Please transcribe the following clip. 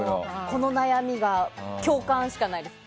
この悩みが共感しかないです。